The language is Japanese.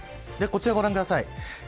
こちらをご覧ください。